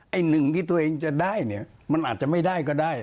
ไอ้หนึ่งที่ตัวเองจะได้เนี่ยมันอาจจะไม่ได้ก็ได้